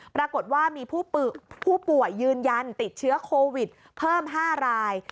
ปรากฏว่ามีผู้ป่วยยืนยันติดเชื้อโควิดเพิ่ม๕ราย